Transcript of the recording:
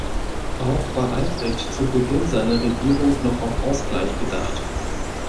Auch war Albrecht zu Beginn seiner Regierung noch auf Ausgleich bedacht.